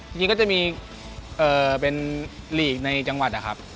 จริงก็จะมีเป็นหลีกในจังหวัดนะครับ